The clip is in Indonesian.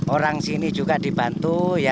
orang sini juga dibantu